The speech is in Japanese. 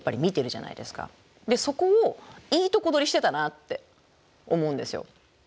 そこをいいとこ取りしてたなって思うんですよ。